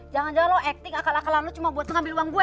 jangan jangan lu acting akal akalan lu cuma buat mengambil uang gue